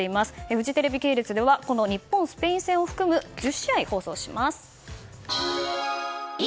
フジテレビ系列では日本、スペイン戦を含む１０試合放送します。